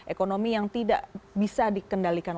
ekonomi yang tidak bisa dikendalikan